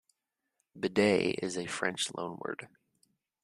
"Bidet" is a French loanword.